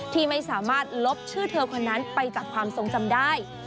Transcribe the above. ที่ไม่สามารถลบชื่อเธอคนนั้นไปจากความทรงจำได้